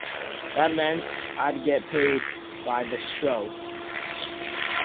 That meant I'd get paid by the show.